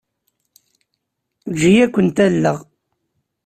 Eǧǧ-iyi ad kent-alleɣ.